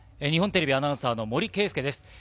日本テレビアナウンサーの森圭介です。